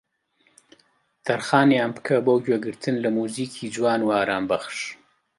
تەرخانیان بکە بۆ گوێگرتن لە موزیکی جوان و ئارامبەخش